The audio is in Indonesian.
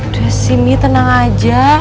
disini tenang aja